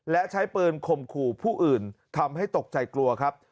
และใช้ปืนข่มขู่ผู้อื่นทำให้ตกใจกลัวครับ